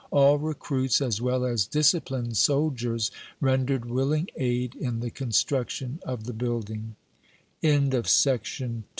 All recruits as well as disciplined soldiers rendered willing aid in the construction of the buildin